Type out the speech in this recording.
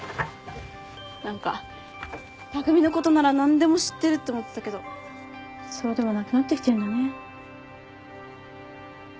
何か匠のことなら何でも知ってるって思ってたけどそうでもなくなってきてんだね。